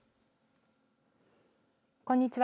こんにちは。